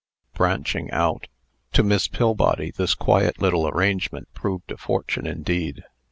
BRANCHING OUT. To Miss Pillbody, this quiet little arrangement proved a fortune indeed.